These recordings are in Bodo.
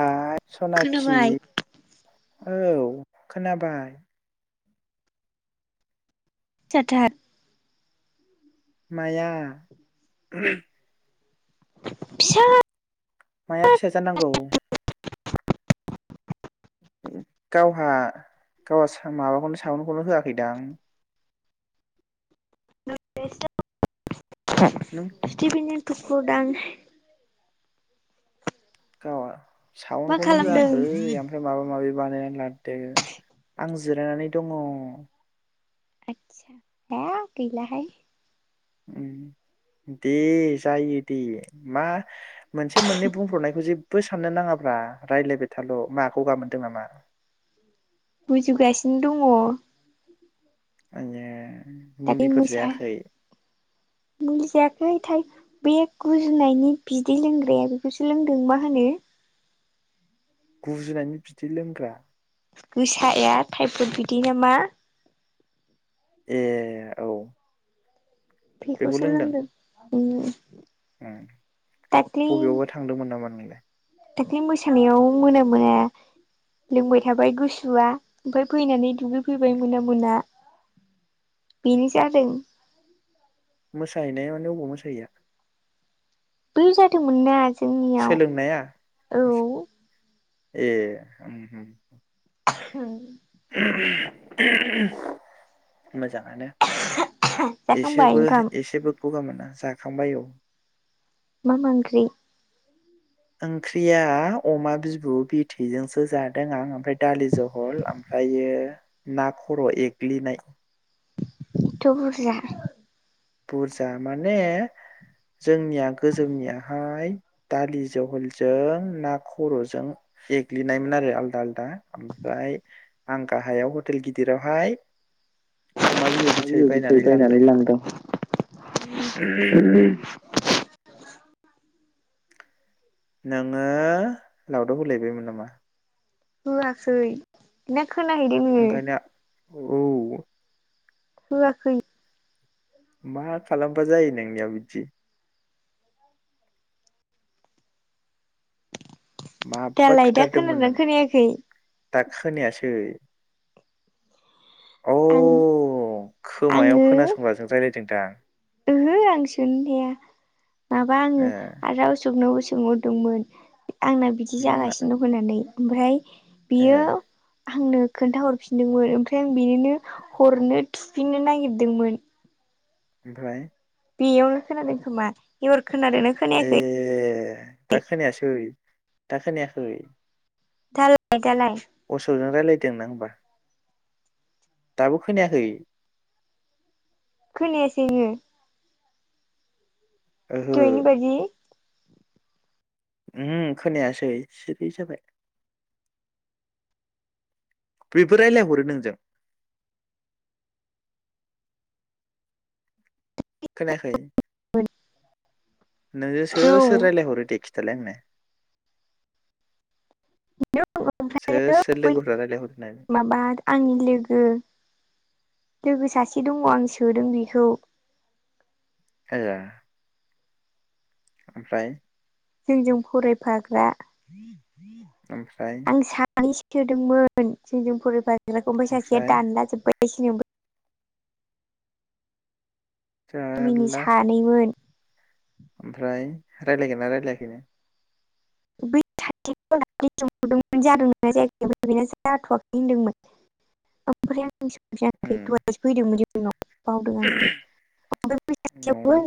आरो सनाखि खोनाबाय औ खोनाबाय फिसाथार माया फिसा माया फिसा जानांगौ गावहा गावहा माबाखौनो सावनखौनो होआखैदांं न नों [unintelligible] सिथिफिनजों थुखुर दां गावा मा साउन्खौनो खालामदों होआखै ओमफ्राय माबा माबि बानाया लादो आं जिरायनानै दङ आ ह गैलाहाय दे जायो दे मा मोनसे मोननै बुंफ्रबनायखौ जेब बो साननो नाङाब्रा रायज्लायबाय थाल' मा गगा मोनदों नामा गुजुगासिनो दङ आयै दाख बे मुलिफोर मोसा जायाखै मुलि जायाखैथाय बे गुजुनायनि बिदै लोंग्राया बेखौसो लोंदों मा होनो गुजुनायनि बिदै लोंग्रा गोसाया टाइफुद बिदि नामा ए औ बिखौसो लोंदों उ बबेयावबा थांदोंमोन नामा नोंलाय दाख्लि मोसानायाव मोना मोना लोंबाय थाबाय गुसुआ ओमफ्राय फैनानै दुगैफैबाय मोना मोना बेनो जादों मोसाहैनायानो अबाव मोसाहैया बै जादोंमोन ना जोंनियाव सोलोंनाया औ ए उ [inaudible] [inaudible] मोजाङानो जाखांबाय ओंखाम एसेबो-एसेबो फगा मोना जाखांबाय औ। मा मा ओंख्रि ओंख्रिया अमा बिबु बिथैजोंसो जादों आं ओमफ्राय दालि जहल ओमफ्रायो ना खर एग्लिनाय। एथ बरजा बुरजा माने जोंनिया गोजौनियाहाय दालि जहलजों ना खरजों एग्लिनायमोन आरो आलदा आलदा ओमफ्राय आं गाहायाव हटेल गिदिरावहाय। अमा बिदर बिथै बायनानै लांदों। उ [inaudible] नोङो लावदाव होलायबायमोन नामा। होयाखै खोनाहैदों नोंडों। ओंखायनो औ होआखै। मा खालामबा जायो नोंनियाव बिदि। माबा दालाय दा थुथारदोंमोन नों खोनादोंनानै खोनायाखै। दा खोनायासै। अ आं खोमायाव आङो खोनासंगाजों जाय। नोंथां ओहो आं सों नोया माबा आङो ए आरो राव सोबनोबो। सोंहरदोंमोन। आंना बिदि मा होनना जागासिनो दं होननानै। ओमफ्राय ए बेयो आंनो खोन्था हरफिनदोंमोन ओमफ्राय आं बिनोनो हरनो थुफिननो नागिरदोंमोन। ओमफ्राय बेयावनो खोनादों खोमा एर ए दाखोनायासै? दाखोनायाखै? थाल [unintelligible] दालाय रायज्लायदों नों होमबा। दाबो खोनायाखै? खोनायासै नोङो? ओहो दहायनि बादि? उम हो खोनायासै सिरि जाबाय। बेबो रायलायहरो नोंजों? खोनायाखै? नोंजो सोर मोनजौ सोर रायलायहरो दे खि थालाय आंनो सोर ओमफ्राय सोर बै लोगोफ्रा रायलायहरो होननानै माबा आंनि लोगो लोगो सासे दङ' आं सोदों बेखौ। आया ओमफ्राय जोंजों फरायफाग्रा ओमफ्राय [unintelligible] दोंमोन जोंजों फरायबा [unintelligible] सासेया ओमफ्राय दान्ला जोबबाय। [unintelligible] मिनि जारला सानैमोन। ओमफ्राय रायलायगोन ना रायलायाखैनो बै सासेखौ आं दाख्लै सोंहरदोंमोन जादों ना जायाखै बे जाथ'वाखै होनदोंमोन ओमफ्राय उम [unintelligible] [unintelligible] बावदों आं न'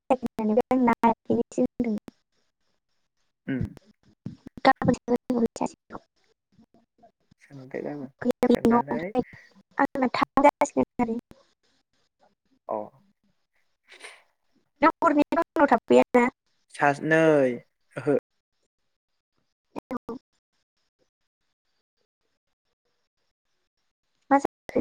[unintelligible] [unintelligible] [unintelligible] उम [unintelligible] सोंबाय गाबोन सोंनानै [unintelligible] [unintelligible] अ [unintelligible] सासनै ओहो। [unintelligible] मा जाखो?